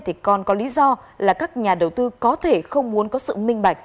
thì còn có lý do là các nhà đầu tư có thể không muốn có sự minh bạch